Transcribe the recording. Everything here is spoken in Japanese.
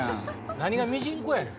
何がミジンコやねん。